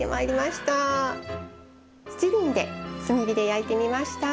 しちりんで炭火で焼いてみました。